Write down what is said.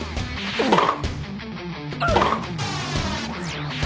あっ。